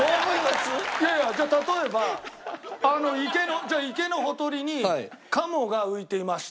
いやいやじゃあ例えば池のほとりにカモが浮いていました。